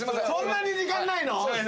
そんなに時間ないの？